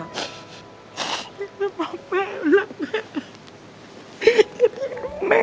ไม่ต้องบอกแม่แล้วแม่